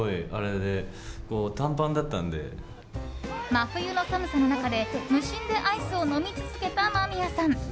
真冬の寒さの中で無心でアイスを飲み続けた間宮さん。